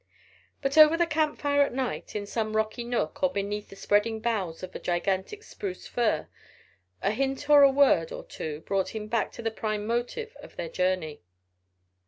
But over the camp fire at night, in some rocky nook, or beneath the spreading boughs of a gigantic spruce fir, a hint or a word or two brought him back to the prime motive of their journey.